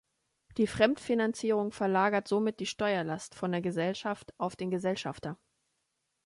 Die Fremdfinanzierung verlagert somit die Steuerlast von der Gesellschaft auf den Gesellschafter.